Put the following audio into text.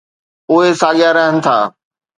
اهي ساڳيا رهن ٿا.